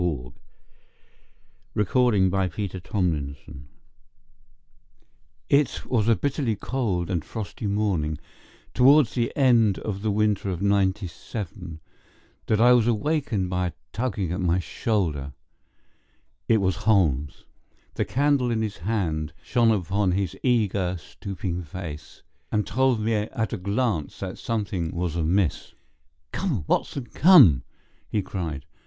THE ADVENTURE OF THE ABBEY GRANGE It was on a bitterly cold and frosty morning, towards the end of the winter of '97, that I was awakened by a tugging at my shoulder. It was Holmes. The candle in his hand shone upon his eager, stooping face, and told me at a glance that something was amiss. "Come, Watson, come!" he cried.